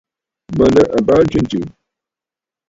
Mə̀ nɨ̂ àbaa ntswêntɨ̀ɨ̀.